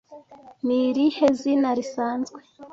Ni irihe zina risanzwe